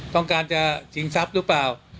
ต้องการจะชิงทรัพย์หรือเปล่า